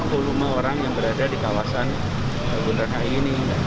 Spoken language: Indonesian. puluh puluh orang yang berada di kawasan gubernur dki ini